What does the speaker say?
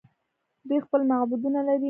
دوی خپل معبدونه لري.